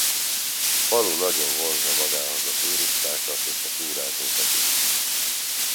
A falu nagyon vonzza magához a turistákat és a túrázókat is.